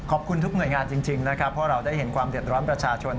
ขอบคุณทุกหน่วยงานจริงนะครับเพราะเราได้เห็นความเดือดร้อนประชาชน